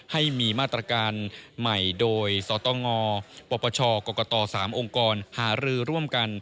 ให้มีมาตรการใหม่โดยสตงปปชกรกต๓องค์กรหารือร่วมกัน